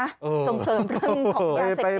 ส่งเสริมเรื่องของยาเสพติด